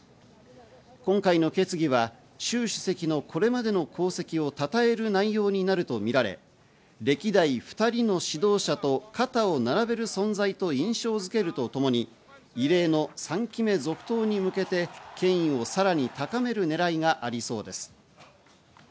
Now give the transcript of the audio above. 今回の決議はシュウ主席のこれまでの功績をたたえる内容になるとみられ、歴代２人の指導者と肩を並べる存在と印象づけるとともに、異例の３期目続投に向けて、権威をさらに高めるねらいがありそうです。